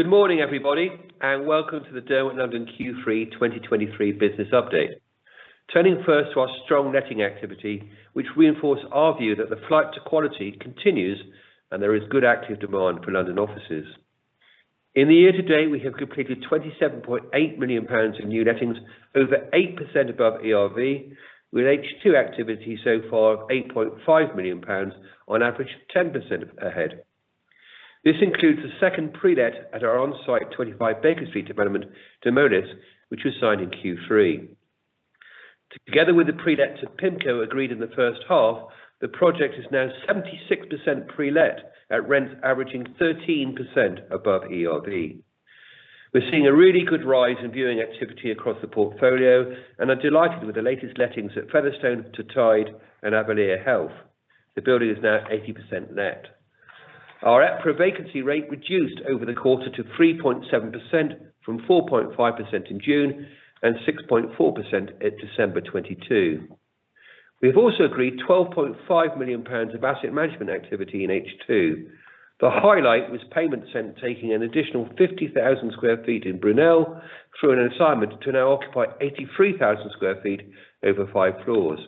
Good morning, everybody, and welcome to the Derwent London Q3 2023 Business Update. Turning first to our strong letting activity, which reinforce our view that the flight to quality continues, and there is good active demand for London offices. In the year-to-date, we have completed 27.8 million pounds in new lettings, over 8% above ERV, with H2 activity so far of 8.5 million pounds, on average, 10% ahead. This includes a second pre-let at our on-site 25 Baker Street development, Moelis & Company, which was signed in Q3. Together with the pre-lets of PIMCO agreed in the first half, the project is now 76% pre-let, at rents averaging 13% above ERV. We're seeing a really good rise in viewing activity across the portfolio, and are delighted with the latest lettings at Featherstone to Tide and Avalere Health. The building is now 80% let. Our EPRA vacancy rate reduced over the quarter to 3.7% from 4.5% in June and 6.4% in December 2022. We have also agreed 12.5 million pounds of asset management activity in H2. The highlight was Paymentsense, taking an additional 50,000 sq ft in Brunel through an assignment to now occupy 83,000 sq ft over five floors.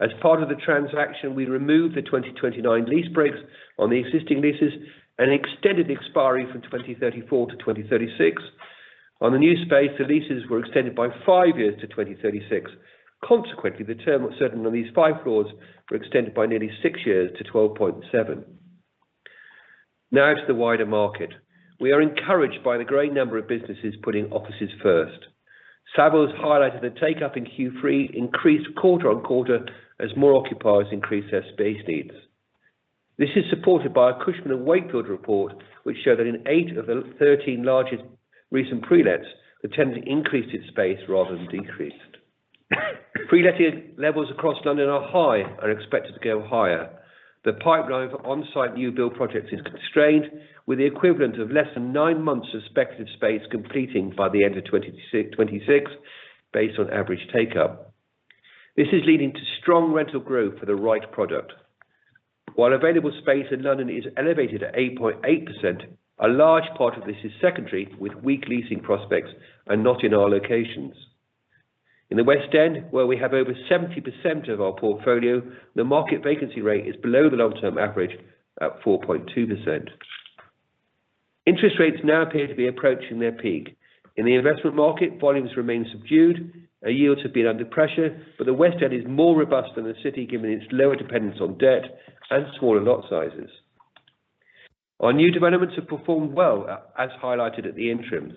As part of the transaction, we removed the 2029 lease breaks on the existing leases and extended the expiry from 2034-2036. On the new space, the leases were extended by five years to 2036. Consequently, the term certain on these five floors were extended by nearly six years to 12.7. Now to the wider market. We are encouraged by the great number of businesses putting offices first. Savills highlighted the take-up in Q3 increased quarter-on-quarter as more occupiers increased their space needs. This is supported by a Cushman & Wakefield report, which showed that in eight of the 13 largest recent pre-lets, the tenant increased its space rather than decreased. Pre-letting levels across London are high and expected to go higher. The pipeline for on-site new build projects is constrained, with the equivalent of less than nine months of suspected space completing by the end of 2026, based on average take-up. This is leading to strong rental growth for the right product. While available space in London is elevated at 8.8%, a large part of this is secondary, with weak leasing prospects and not in our locations. In the West End, where we have over 70% of our portfolio, the market vacancy rate is below the long-term average at 4.2%. Interest rates now appear to be approaching their peak. In the investment market, volumes remain subdued, and yields have been under pressure, but the West End is more robust than the City, given its lower dependence on debt and smaller lot sizes. Our new developments have performed well, as highlighted at the interims.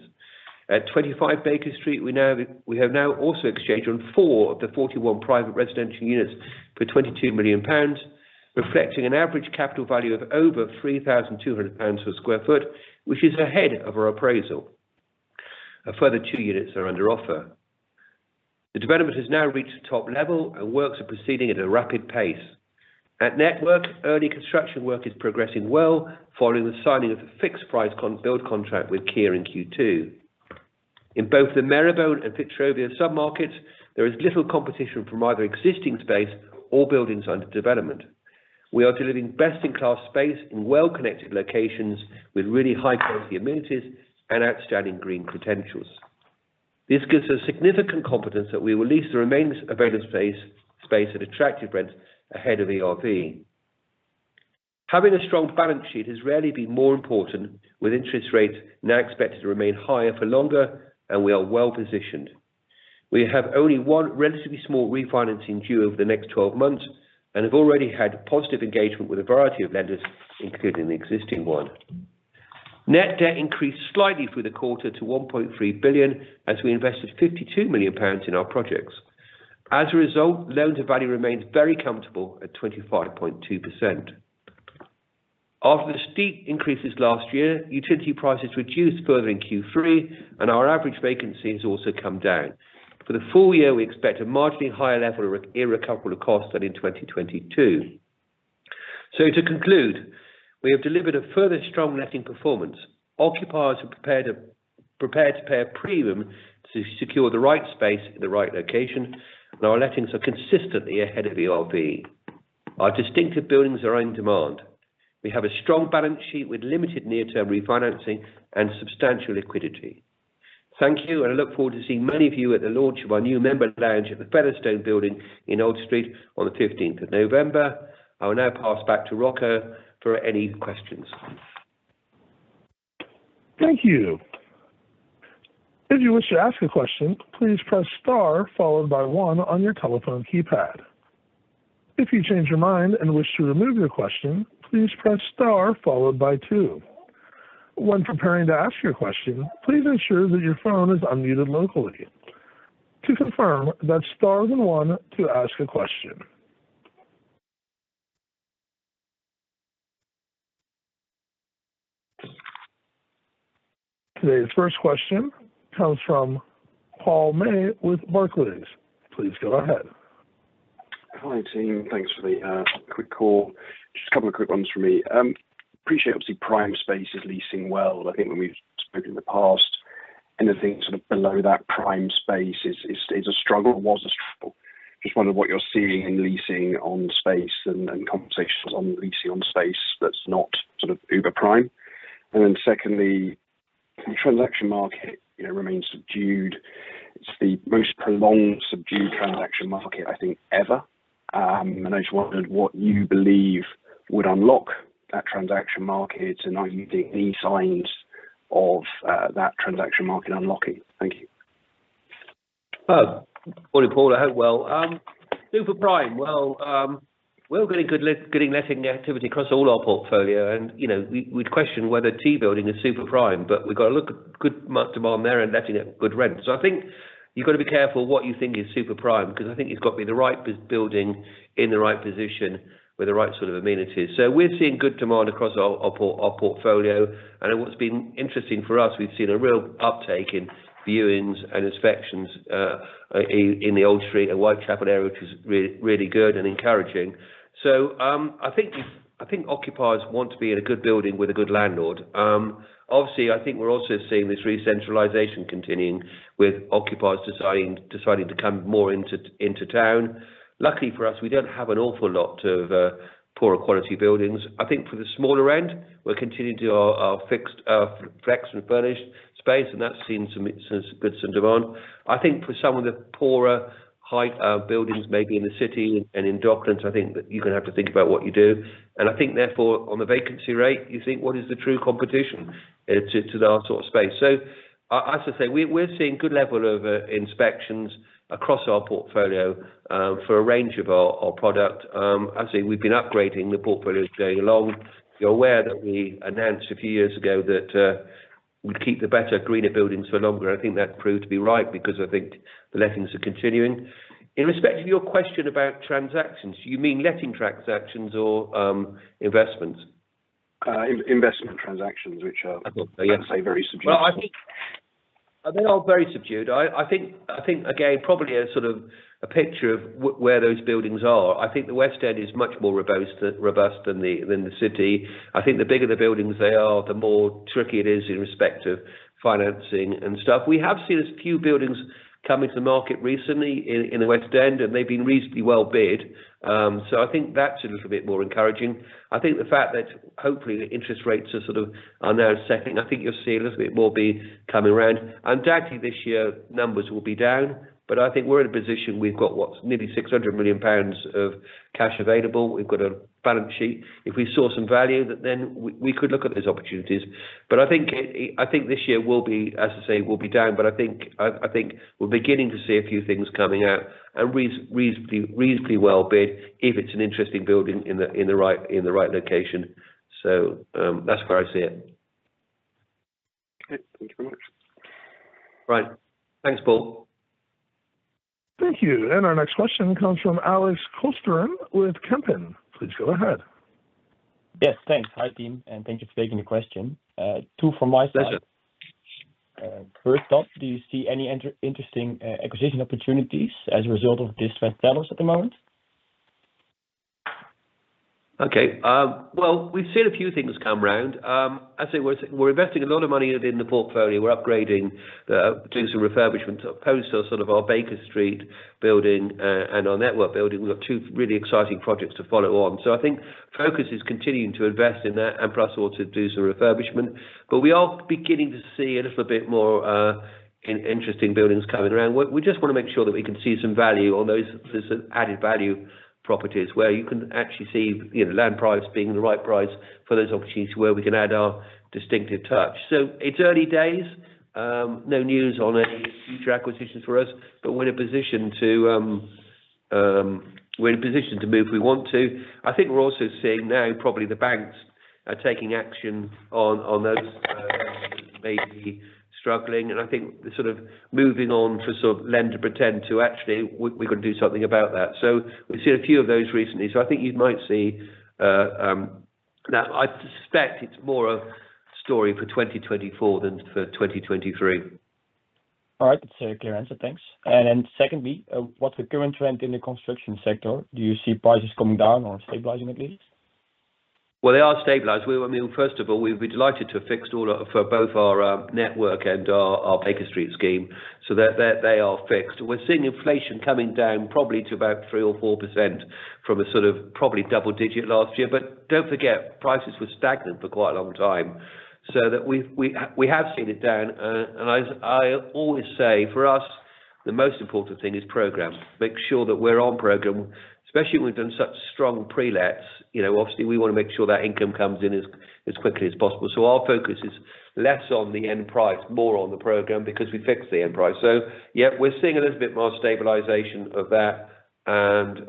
At 25 Baker Street, we now have also exchanged on four of the 41 private residential units for 22 million pounds, reflecting an average capital value of over 3,200 pounds per sq ft, which is ahead of our appraisal. A further two units are under offer. The development has now reached the top level, and works are proceeding at a rapid pace. At Network, early construction work is progressing well, following the signing of a fixed price build contract with Kier in Q2. In both the Marylebone and Fitzrovia submarkets, there is little competition from either existing space or buildings under development. We are delivering best-in-class space in well-connected locations with really high-quality amenities and outstanding green credentials. This gives us significant confidence that we will lease the remaining available space at attractive rents ahead of ERV. Having a strong balance sheet has rarely been more important, with interest rates now expected to remain higher for longer, and we are well positioned. We have only one relatively small refinancing due over the next 12 months and have already had positive engagement with a variety of lenders, including the existing one. Net debt increased slightly through the quarter to 1.3 billion, as we invested 52 million pounds in our projects. As a result, loan to value remains very comfortable at 25.2%. After the steep increases last year, utility prices reduced further in Q3, and our average vacancy has also come down. For the full year, we expect a marginally higher level of irrecoverable costs than in 2022. So to conclude, we have delivered a further strong letting performance. Occupiers are prepared to pay a premium to secure the right space in the right location, and our lettings are consistently ahead of ERV. Our distinctive buildings are in demand. We have a strong balance sheet with limited near-term refinancing and substantial liquidity. Thank you, and I look forward to seeing many of you at the launch of our new member lounge at the Featherstone Building in Old Street on the 15th of November. I will now pass back to Rocco for any questions. Thank you. If you wish to ask a question, please press star followed by one on your telephone keypad. If you change your mind and wish to remove your question, please press star followed by two. When preparing to ask your question, please ensure that your phone is unmuted locally. To confirm, that's star then one to ask a question. Today's first question comes from Paul May with Barclays. Please go ahead. Hi, team. Thanks for the quick call. Just a couple of quick ones from me. Appreciate, obviously, prime space is leasing well. I think when we've spoken in the past, anything sort of below that prime space is a struggle, was a struggle. Just wondered what you're seeing in leasing on space and conversations on leasing on space that's not sort of uber prime. And then secondly, the transaction market, you know, remains subdued. It's the most prolonged subdued transaction market, I think, ever. And I just wondered what you believe would unlock that transaction market, and are you seeing any signs of that transaction market unlocking? Thank you. Good morning, Paul. I hope you're well. Super prime, well, we're getting good letting activity across all our portfolio and, you know, we, we'd question whether Tea Building is super prime, but we've got to look at good demand there and letting it at good rent. So I think you've got to be careful what you think is super prime, 'cause I think it's got to be the right building in the right position with the right sort of amenities. So we're seeing good demand across our portfolio, and what's been interesting for us, we've seen a real uptake in viewings and inspections in the Old Street and Whitechapel area, which is really good and encouraging. So, I think, I think occupiers want to be in a good building with a good landlord. Obviously, I think we're also seeing this recentralisation continuing, with occupiers deciding, deciding to come more into, into town. Luckily, for us, we don't have an awful lot of poorer quality buildings. I think for the smaller end, we're continuing to do our, our fixed, flex and furnished space, and that's seen some, some good, some demand. I think for some of the poorer height, buildings maybe in the City and in Docklands, I think that you're gonna have to think about what you do. I think therefore, on the vacancy rate, you think, what is the true competition to, to that sort of space? As I say, we're seeing good level of inspections across our portfolio, for a range of our, our product. As I say, we've been upgrading the portfolios along. You're aware that we announced a few years ago that, we'd keep the better, greener buildings for longer. I think that proved to be right because I think the lettings are continuing. In respect to your question about transactions, you mean letting transactions or, investments? Investment transactions, which are- Yes... I'd say, very subdued. Well, I think they are very subdued. I think, again, probably a sort of a picture of where those buildings are. I think the West End is much more robust than the City. I think the bigger the buildings they are, the more tricky it is in respect of financing and stuff. We have seen a few buildings come into the market recently in the West End, and they've been reasonably well bid. So I think that's a little bit more encouraging. I think the fact that hopefully the interest rates are sort of now setting, I think you'll see a little bit more be coming around. Undoubtedly, this year, numbers will be down, but I think we're in a position we've got nearly 600 million pounds of cash available. We've got a balance sheet. If we saw some value, then we could look at those opportunities. But I think this year will be, as I say, down, but I think we're beginning to see a few things coming out, and reasonably well bid, if it's an interesting building in the right location. So, that's where I see it. Okay. Thank you very much. Right. Thanks, Paul. Thank you. Our next question comes from Alex Kolsteren with Kempen. Please go ahead. Yes, thanks. Hi, team, and thank you for taking the question. Two from my side. Pleasure. First off, do you see any interesting acquisition opportunities as a result of this rent yields at the moment? Okay. Well, we've seen a few things come round. As I say, we're investing a lot of money within the portfolio. We're upgrading, doing some refurbishment. Post our, sort of our Baker Street building, and our Network Building, we've got two really exciting projects to follow on. So I think focus is continuing to invest in that and plus also to do some refurbishment. But we are beginning to see a little bit more, interesting buildings coming around. We just wanna make sure that we can see some value on those added value properties, where you can actually see, you know, land price being the right price for those opportunities where we can add our distinctive touch. So it's early days, no news on any future acquisitions for us, but we're in a position to move if we want to. I think we're also seeing now, probably the banks are taking action on those, maybe struggling, and I think the, sort of moving on for sort of lend to pretend to actually, we've got to do something about that. So we've seen a few of those recently. So I think you might see. Now, I suspect it's more a story for 2024 than for 2023. All right, it's a clear answer. Thanks. Then secondly, what's the current trend in the construction sector? Do you see prices coming down or stabilizing, at least? Well, they are stabilized. We, I mean, first of all, we'd be delighted to have fixed all of, for both our Network and our Baker Street scheme, so that they are fixed. We're seeing inflation coming down, probably to about 3% or 4% from a sort of probably double digit last year. But don't forget, prices were stagnant for quite a long time. So that we've, we, we have seen it down, and as I always say, for us, the most important thing is program. Make sure that we're on program, especially when we've done such strong pre-lets. You know, obviously, we wanna make sure that income comes in as quickly as possible. So our focus is less on the end price, more on the program, because we fixed the end price. So yeah, we're seeing a little bit more stabilization of that, and,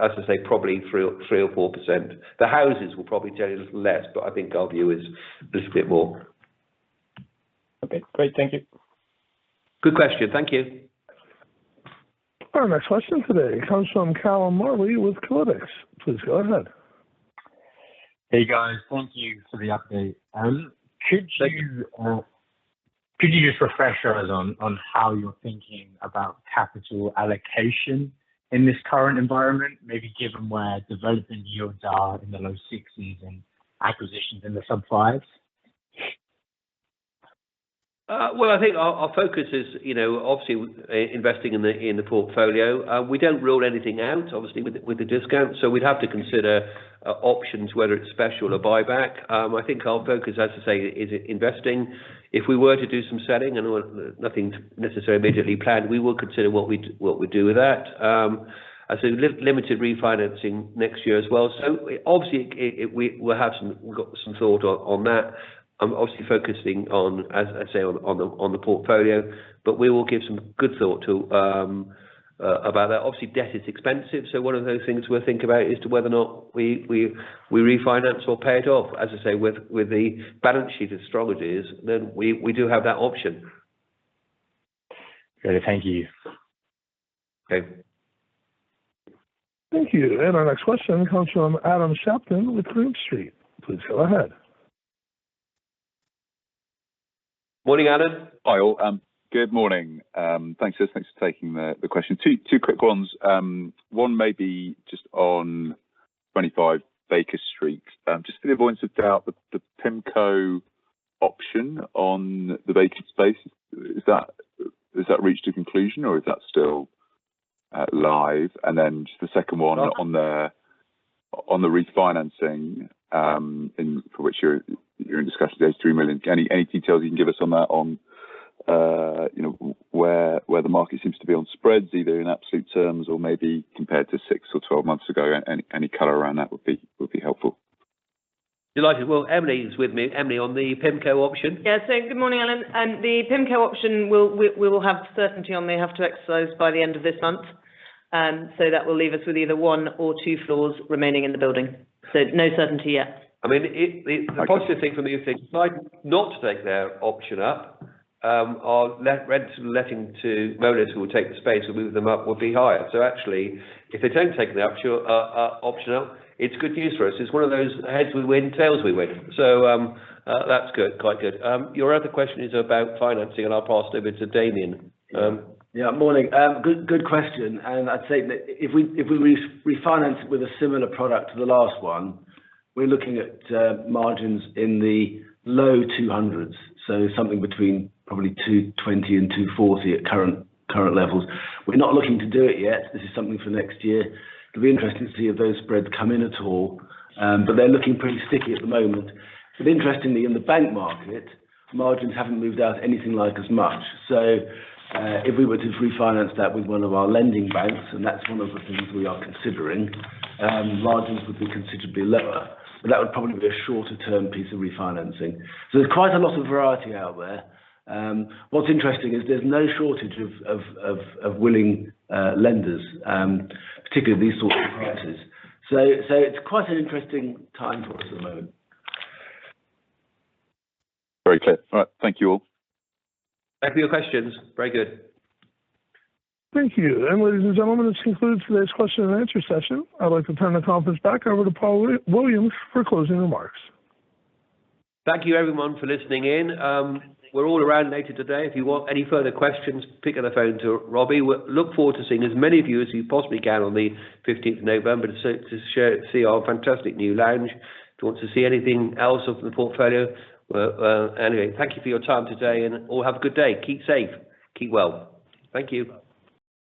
as I say, probably 3%, 3% or 4%. The houses will probably tell you a little less, but I think our view is a little bit more. Okay, great. Thank you. Good question. Thank you. Our next question today comes from Callum Marley with Kolytics. Please go ahead. Hey, guys. Thank you for the update. Could you just refresh us on how you're thinking about capital allocation in this current environment, maybe given where development yields are in the low 60s and acquisitions in the sub-5s?... Well, I think our focus is, you know, obviously, investing in the portfolio. We don't rule anything out, obviously, with the discount, so we'd have to consider options, whether it's special or buyback. I think our focus, as I say, is investing. If we were to do some selling, and nothing necessarily immediately planned, we will consider what we'd do with that. As I say, limited refinancing next year as well. So obviously, we will have some got some thought on that. I'm obviously focusing on, as I say, on the portfolio, but we will give some good thought to about that. Obviously, debt is expensive, so one of the things we'll think about is to whether or not we refinance or pay it off. As I say, with the balance sheet as strong as it is, then we do have that option. Great. Thank you. Okay. Thank you, and our next question comes from Adam Shapton with Green Street. Please go ahead. Morning, Adam. Hi, all. Good morning. Thanks, guys. Thanks for taking the, the question. Two, two quick ones. One may be just on 25 Baker Street. Just for the avoidance of doubt, the, the PIMCO option on the vacant space, is that, has that reached a conclusion, or is that still, live? And then the second one on the, on the refinancing, in for which you're, you're in discussion with those 3 million. Any, any details you can give us on that on, you know, where, where the market seems to be on spreads, either in absolute terms or maybe compared to six or 12 months ago, any, any color around that would be, would be helpful. Delighted. Well, Emily is with me. Emily, on the PIMCO option? Yeah, so good morning, Adam. The PIMCO option will, we, we will have certainty on. They have to exercise by the end of this month, so that will leave us with either one or two floors remaining in the building. So no certainty yet. I mean, the positive thing from this, if they decide not to take their option up, our letting, rent letting to owners who will take the space and move them up will be higher. So actually, if they don't take the actual option up, it's good news for us. It's one of those heads, we win, tails, we win. So, that's good, quite good. Your other question is about financing, and I'll pass over to Damian. Yeah, morning. Good, good question, and I'd say that if we refinance it with a similar product to the last one, we're looking at margins in the low 200s, so something between probably 220 and 240 at current levels. We're not looking to do it yet. This is something for next year. It'll be interesting to see if those spreads come in at all, but they're looking pretty sticky at the moment. But interestingly, in the bank market, margins haven't moved out anything like as much. So, if we were to refinance that with one of our lending banks, and that's one of the things we are considering, margins would be considerably lower, but that would probably be a shorter-term piece of refinancing. So there's quite a lot of variety out there. What's interesting is there's no shortage of willing lenders, particularly these sorts of prices. So it's quite an interesting time for us at the moment. Very clear. All right. Thank you all. Thank you for your questions. Very good. Thank you. Ladies, and gentlemen, this concludes today's question and answer session. I'd like to turn the conference back over to Paul Williams for closing remarks. Thank you, everyone, for listening in. We're all around later today. If you want any further questions, pick up the phone to Robbie. We look forward to seeing as many of you as we possibly can on the 15th of November to, to share, see our fantastic new lounge, to want to see anything else of the portfolio. Well, anyway, thank you for your time today, and all have a good day. Keep safe. Keep well. Thank you.